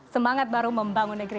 semangat baru membangun negeri